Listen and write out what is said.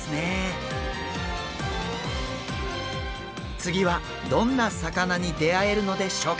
次はどんな魚に出会えるのでしょうか？